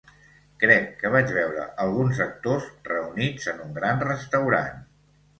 Crec que vaig veure alguns actors reunits en un gran restaurant.